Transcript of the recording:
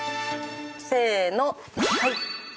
せーのはい。